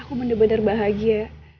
aku benar benar bahagia